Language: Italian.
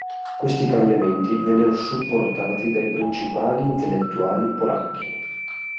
Questi cambiamenti vennero supportati dai principali intellettuali polacchi.